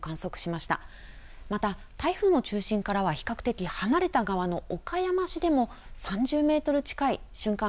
また、台風の中心からは比較的離れた側の岡山市でも３０メートル近い瞬間